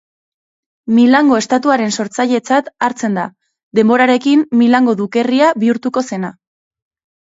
Milango Estatuaren sortzailetzat hartzen da, denborarekin Milango Dukerria bihurtuko zena.